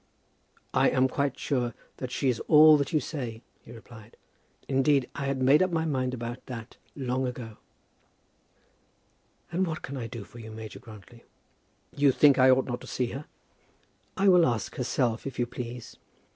"I am quite sure that she is all that you say," he replied. "Indeed I had made up my mind about that long ago." "And what can I do for you, Major Grantly?" "You think I ought not to see her?" "I will ask herself, if you please.